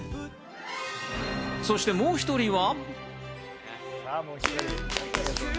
そして、もう１人は。